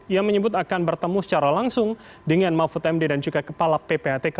ia menyebut akan bertemu secara langsung dengan mahfud md dan juga kepala ppatk